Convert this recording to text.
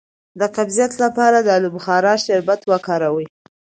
د قبضیت لپاره د الو بخارا شربت وکاروئ